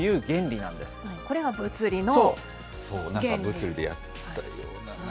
なんか物理でやったような。